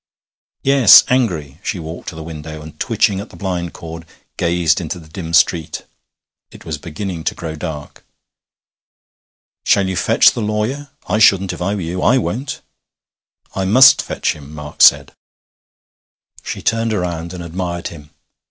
'Yes, angry.' She walked to the window, and, twitching at the blind cord, gazed into the dim street. It was beginning to grow dark. 'Shall you fetch the lawyer? I shouldn't if I were you. I won't.' 'I must fetch him,' Mark said. She turned round and admired him.